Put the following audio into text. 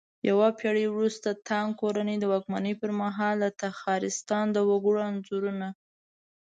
يوه پېړۍ وروسته د تانگ کورنۍ د واکمنۍ پرمهال د تخارستان د وگړو انځورونه